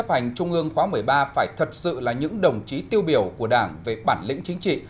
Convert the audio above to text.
phương khóa một mươi ba phải thật sự là những đồng chí tiêu biểu của đảng về bản lĩnh chính trị